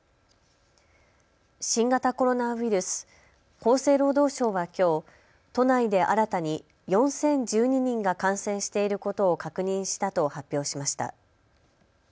新型コロナウイルス、厚生労働省はきょう都内で新たに４０１２人が感染していることを確認したと発表しました。